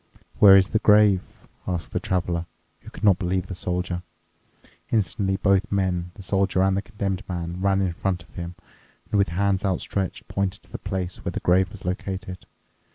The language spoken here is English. "Where is the grave?" asked the Traveler, who could not believe the Soldier. Instantly both men, the Soldier and the Condemned Man, ran in front of him and with hands outstretched pointed to the place where the grave was located.